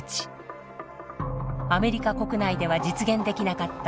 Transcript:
アメリカ国内では実現できなかった